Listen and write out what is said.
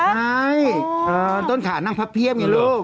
ใช่ต้นขานั่งพับเพียบอย่างนึง